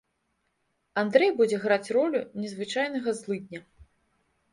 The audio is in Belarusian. Андрэй будзе граць ролю незвычайнага злыдня.